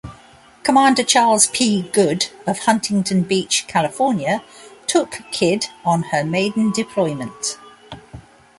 Commander Charles P. Good of Huntington Beach, California, took "Kidd" on her maiden deployment.